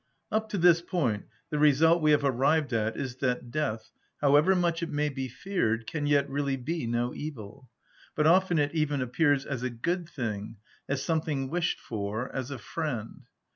Up to this point the result we have arrived at is that death, however much it may be feared, can yet really be no evil. But often it even appears as a good thing, as something wished for, as a friend.